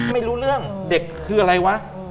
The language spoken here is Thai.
ไม่รู้เรื่องเด็กคืออะไรวะ